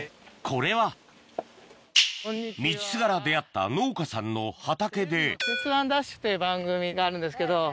これは道すがら出会った農家さんの畑で『鉄腕！ＤＡＳＨ‼』っていう番組があるんですけど。